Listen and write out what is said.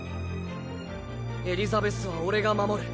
エリザベスは俺が守る。